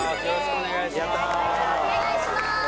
お願いします。